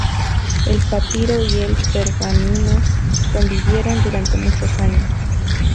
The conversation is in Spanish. El papiro y el pergamino convivieron durante muchos años.